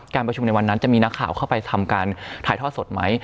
ประชุมในวันนั้นจะมีนักข่าวเข้าไปทำการถ่ายทอดสดไหม